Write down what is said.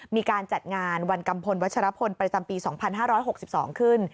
มีการจัดงานวันกัมพลวัชรพลประจำปี๒๕๖๒ขึ้น